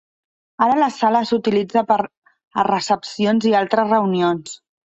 Ara la sala s'utilitza per a recepcions i altres reunions.